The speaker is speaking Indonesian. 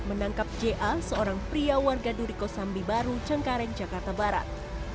menangkap ja seorang pria warga durikosambi baru cengkareng jakarta barat